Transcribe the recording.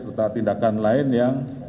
serta tindakan lain yang